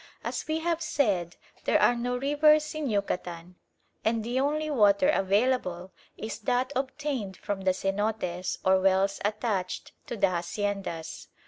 As we have said, there are no rivers in Yucatan, and the only water available is that obtained from the cenotes or wells attached to the haciendas.